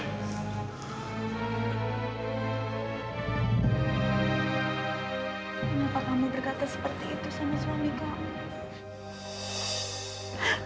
kenapa kamu berkata seperti itu sama suami kamu